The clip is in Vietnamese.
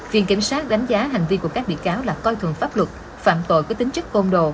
viện kiểm sát đánh giá hành vi của các bị cáo là coi thường pháp luật phạm tội có tính chức côn đồ